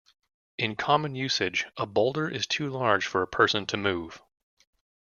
In common usage, a boulder is too large for a person to move.